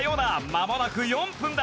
まもなく４分だ！